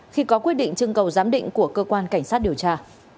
khi có quyết định trưng cầu giám định của cơ quan cảnh sát điều tra